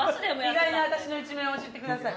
意外なあたしの一面を知ってください。